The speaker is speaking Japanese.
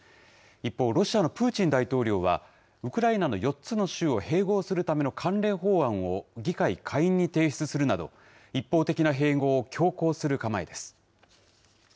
一方、ロシアのプーチン大統領は、ウクライナの４つの州を併合するための関連法案を議会下院に提出するなど、一方的な併合を強行する構えです。